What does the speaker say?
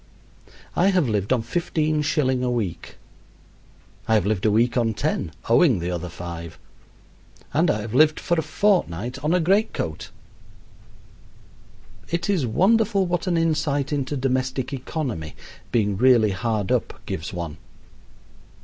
I have lived on 15 shilling a week. I have lived a week on 10, owing the other 5; and I have lived for a fortnight on a great coat. It is wonderful what an insight into domestic economy being really hard up gives one.